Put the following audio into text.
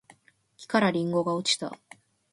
木からりんごが落ちた